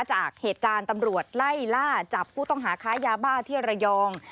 จากเหตุการณ์ตำรวจไล่ล่าจับผู้ต้องหาค้ายาบ้าที่ระยอง